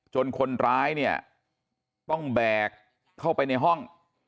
คนร้ายเนี่ยต้องแบกเข้าไปในห้อง